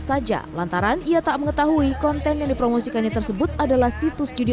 saja lantaran ia tak mengetahui konten yang dipromosikannya tersebut adalah situs judi